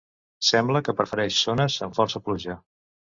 Sembla que prefereix zones amb força pluja.